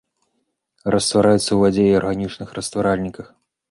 Раствараецца ў вадзе і арганічных растваральніках.